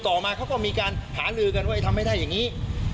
มาเขาก็มีการหาลือกันว่าทำไม่ได้อย่างนี้